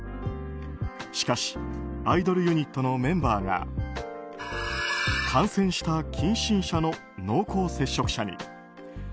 しかしアイドルユニットのメンバーが感染した近親者の濃厚接触者に。